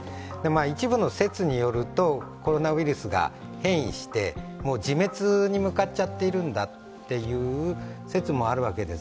一部の説によると、コロナウイルスが変異して自滅に向かっちゃっているんだという説もある訳です。